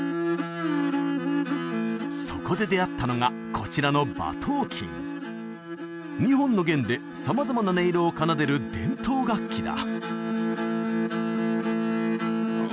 そこで出会ったのがこちらの馬頭琴２本の弦で様々な音色を奏でる伝統楽器だ